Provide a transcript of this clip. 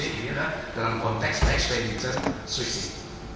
ini adalah dalam konteks expenditure swiss